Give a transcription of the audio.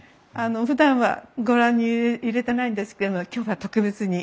ふだんはご覧に入れてないんですけれども今日は特別に。